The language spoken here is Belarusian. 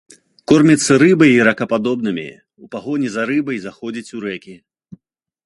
Корміцца рыбай і ракападобнымі, у пагоні за рыбай заходзіць у рэкі.